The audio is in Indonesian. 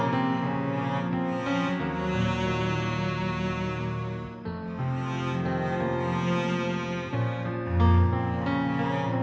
mama selalu menganggap